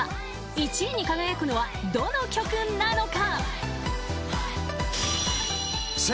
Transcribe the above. ［１位に輝くのはどの曲なのか？］